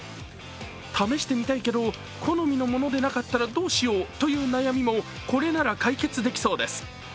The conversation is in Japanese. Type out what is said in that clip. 試してみたいけど、好みのものでなかったらどうしようという悩みもこれなら解決できそうです。